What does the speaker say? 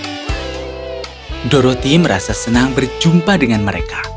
doroti merasa senang berjumpa dengan mereka